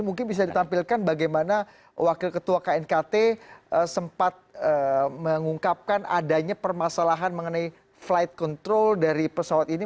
mungkin bisa ditampilkan bagaimana wakil ketua knkt sempat mengungkapkan adanya permasalahan mengenai flight control dari pesawat ini